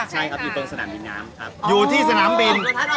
ใช่ครับอยู่ตรงสนามบินน้ำครับ